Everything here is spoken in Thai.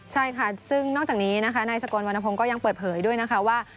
ใช่ค่ะซึ่งนอกจากนี้นะครับนายชะโกนวรรณภงก็ยังเปิดเผยด้วยนะครับว่า